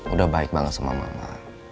udah baik banget sama mama